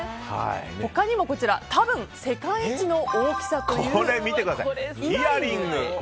他にも多分、世界一の大きさというイヤリング。